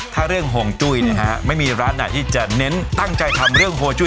ถ้าเรื่องห่วงจุ้ยนะฮะไม่มีร้านไหนที่จะเน้นตั้งใจทำเรื่องโฮจุ้ย